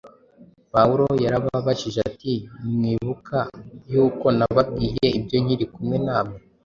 Pawulo yarababajije ati: “Ntimwibuka yuko nababwiye ibyo nkiri kumwe namwe?”